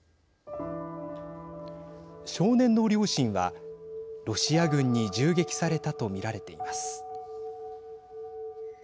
少年の両親はロシア軍に銃撃されたと見られています。